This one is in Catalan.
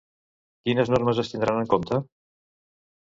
Quines normes es tindran en compte?